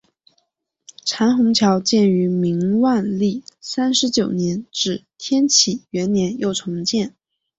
长虹桥建于明万历三十九年至天启元年又重修。